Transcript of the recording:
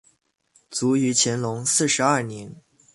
卒于乾隆四十二年。